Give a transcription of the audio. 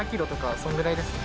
そんぐらいですね。